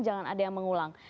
jangan ada yang mengulang